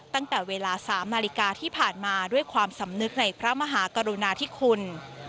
ตั้งแต่เวลา๓นาฬิกาที่ผ่านมาด้วยความสำนึกในพระมหากรุณาธิคุณ